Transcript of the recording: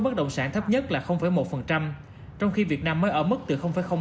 bất động sản thấp nhất là một trong khi việt nam mới ở mức từ ba